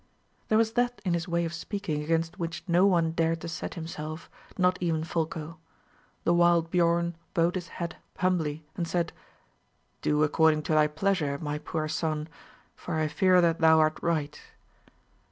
There was that in his way of speaking against which no one dared to set himself, not even Folko. The wild Biorn bowed his head humbly, and said, "Do according to thy pleasure, my poor son; for I fear that thou art right."